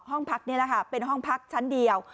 ห้องพักนี่แหละค่ะเป็นห้องพักชั้นเดียว